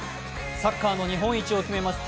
サッカーの日本一を決めます